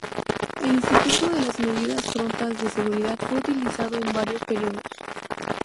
El instituto de las medidas prontas de seguridad fue utilizado en varios períodos.